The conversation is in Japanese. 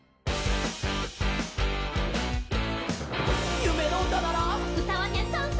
「ゆめのうたなら」